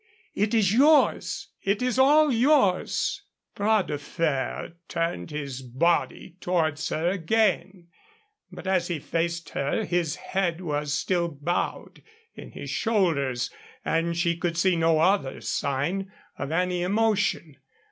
It is yours it is all yours." Bras de Fer turned his body towards her again, but as he faced her his head was still bowed in his shoulders and she could see no other sign of any emotion.